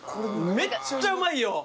めっちゃうまいよ。